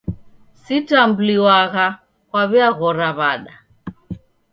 Sitambliwagha kwaw'iaghora w'ada.